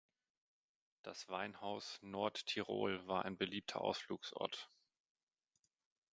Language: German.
Das Weinhaus "Nordtirol" war ein beliebter Ausflugsort.